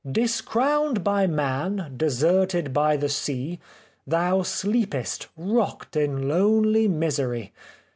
" Discrowned by man, deserted by the sea, Thou sleepest, rocked in lonely misery